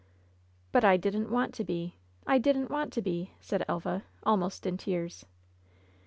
"But I didn't want to be — ^I didnH want to be !" said Elva, almost in tears.